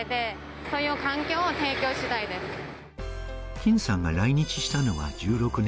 金さんが来日したのは１６年